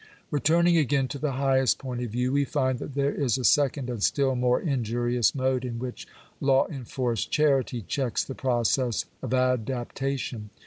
Returning again to the highest point of view, we find that there is a second and still more injurious mode in which law enforced charity checks the process of adaptation.